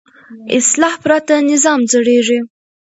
اصلاح پرته نظام زړېږي